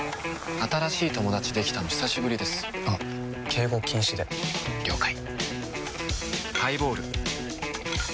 新しい友達できたの久しぶりですあ敬語禁止で了解カチン